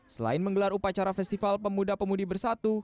selain menggelar upacara festival pemuda pemudi bersatu